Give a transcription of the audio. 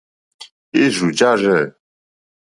Érzù jârzɛ̂.